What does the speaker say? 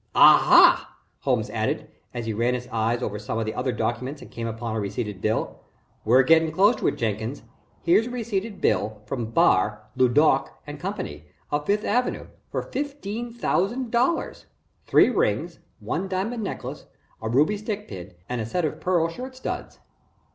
Aha!" Holmes added, as he ran his eye over some of the other documents and came upon a receipted bill. "We're getting close to it, Jenkins. Here's a receipted bill from Bar, LeDuc & Co., of Fifth Avenue, for $15,000 three rings, one diamond necklace, a ruby stick pin, and a set of pearl shirt studs."